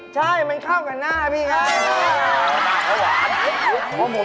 ใช่มันเข้ากับหน้าครับพี่แค่นั้น